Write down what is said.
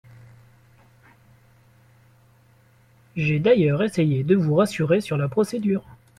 J’ai d’ailleurs essayé de vous rassurer sur la procédure.